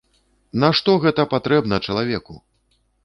Нашто гэта патрэбна чалавеку!